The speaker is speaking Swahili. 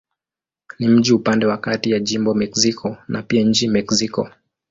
Ni mji upande wa kati ya jimbo Mexico na pia nchi Mexiko.